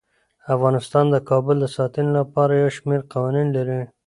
افغانستان د کابل د ساتنې لپاره یو شمیر قوانین لري.